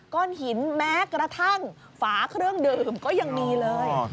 ก้อนหินแม้กระทั่งฝาเครื่องดื่มก็ยังมีเลย